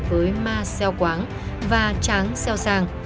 với ma sèo quáng và tráng sèo sàng